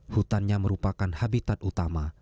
hutannya merupakan habitat utama